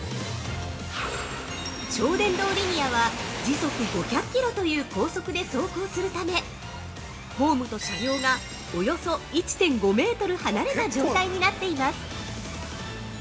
◆超電導リニアは時速５００キロという高速で走行するためホームと車両がおよそ１．５メートル離れた状態になっています。